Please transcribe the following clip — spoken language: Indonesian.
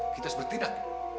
kita harus bertindak